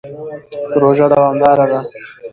پروژه دوامداره ده.